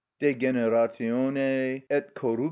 _De generat. et corrupt.